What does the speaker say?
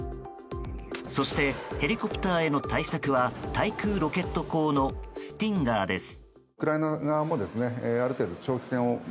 そして、ヘリコプターへの対策は対空ロケット砲のスティンガーです。